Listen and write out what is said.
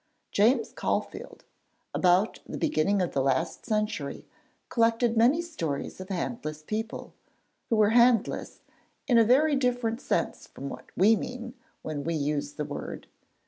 James Caulfield, about the beginning of the last century, collected many stories of handless people who were 'handless' in a very different sense from what we mean, when we use the word.